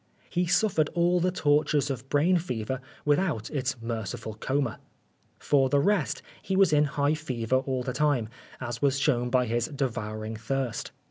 He suffered all the tortures of brain fever without its merciful coma. For the rest, he was in high fever all the time, as was shown by his devouring thirst.